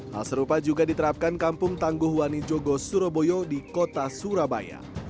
hal serupa juga diterapkan kampung tangguh wani jogo surabaya di kota surabaya